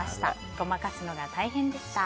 ごまかすのが大変でした。